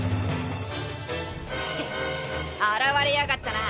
ヘッ現れやがったな。